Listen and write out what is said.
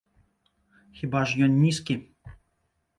Хіба ж ён нізкі?